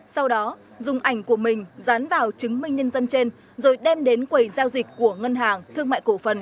sau đó dùng ảnh của mình dán vào chứng minh nhân dân trên rồi đem đến quầy giao dịch của ngân hàng thương mại cổ phần